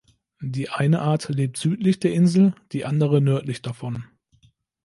Die eine Art lebt südlich der Insel, die andere nördlich davon.